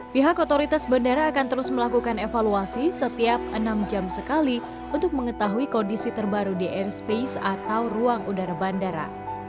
pihak otoritas bandara akan terus melakukan evaluasi setiap enam jam sekali untuk mengetahui kondisi terbaru di airspace atau ruang udara bandara